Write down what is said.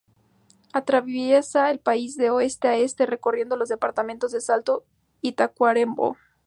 Atraviesa el país de oeste a este, recorriendo los departamentos de Salto y Tacuarembó.